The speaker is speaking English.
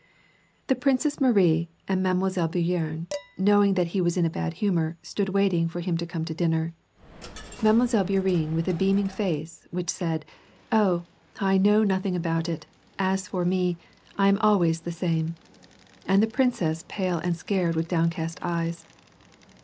The Princess Marie and Mile. Bourienne, knowing that he was in a bad humor, stood waiting for him to come to dinner. Mile. Bourienne with a beaming face, which said, "Oh! I know nothing about it; as for me, I am always the same." And the princess pale and scared with downcast eyes.